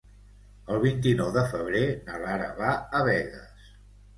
El vint-i-nou de febrer na Lara va a Begues.